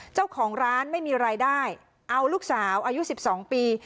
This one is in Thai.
เจ้าของร้านไม่มีรายได้เอาลูกสาวอายุ๑๒ปี